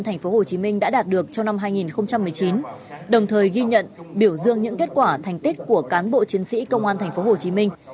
tp hcm đã đạt được trong năm hai nghìn một mươi chín đồng thời ghi nhận biểu dương những kết quả thành tích của cán bộ chiến sĩ công an tp hcm